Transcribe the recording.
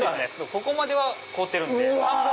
ここまでは凍ってるんで。